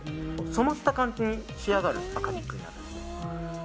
染まった感じに仕上がる赤リップです。